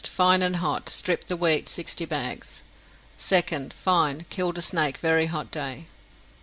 Fine and hot. Stripped the weet 60 bages. 2nd. Fine. Killed a snake very hot day.